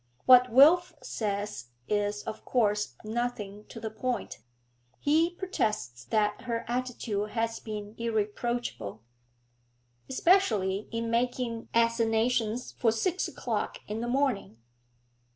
What Wilf says is, of course, nothing to the point; he protests that her attitude has been irreproachable.' 'Especially in making assignations for six o'clock in the morning.'